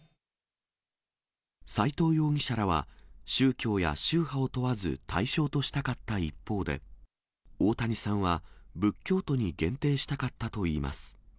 斎藤容疑者らは、宗教や宗派を問わず対象としたかった一方で、大谷さんは、仏教徒に限定したかったといいます。